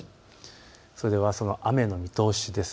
それではその雨の見通しです。